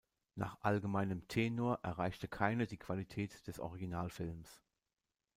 Nach allgemeinem Tenor erreichte keine die Qualität des Originalfilms.